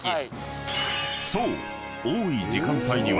［そう］